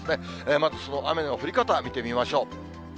まずその雨の降り方、見てみましょう。